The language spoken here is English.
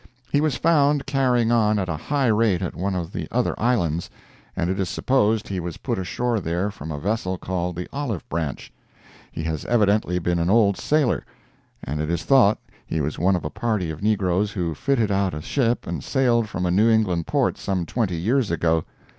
He was found carrying on at a high rate at one of the other islands, and it is supposed he was put ashore there from a vessel called the Olive Branch. He has evidently been an old sailor, and it is thought he was one of a party of negroes who fitted out a ship and sailed from a New England port some twenty years ago.